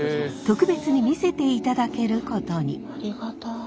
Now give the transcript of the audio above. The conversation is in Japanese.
特別に見せていただけることに。